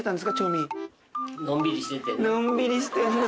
のんびりしてんの？